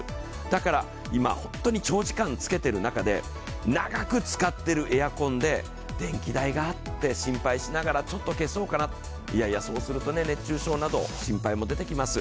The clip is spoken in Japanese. だから今、本当に長時間つけている中で長く使っているエアコンで、電気代がって心配しながらちょっと消そうかな、いやいやそうすると熱中症など心配も出てきます。